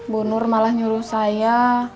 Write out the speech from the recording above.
bu nur malah nyuruh saya